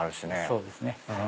そうですね。